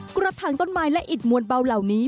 กระถางต้นไม้และอิดมวลเบาเหล่านี้